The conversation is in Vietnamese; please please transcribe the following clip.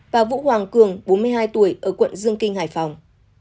và vũ hoàng cường bốn mươi hai tuổi ở quận dương kinh hải phòng